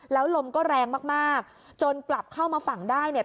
แล้วลมก็แรงมากมากจนกลับเข้ามาฝั่งได้เนี่ย